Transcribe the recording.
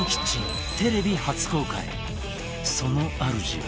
その主は